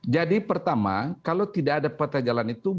jadi pertama kalau tidak ada peta jalan itu